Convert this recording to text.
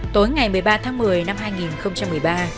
tối ngày một mươi ba tháng một mươi năm hai nghìn một mươi ba